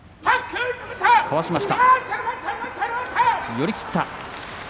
寄り切った。